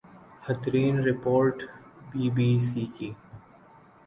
ہترین report B B C کی